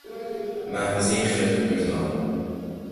محفظهٔ خرت و پرتها